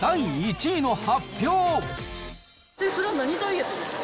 それは何ダイエットですか？